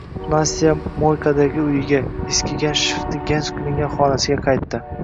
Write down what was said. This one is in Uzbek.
Nastya Moykadagi uyiga, eskigan, shifti ganch qilingan xonasiga qaytdi.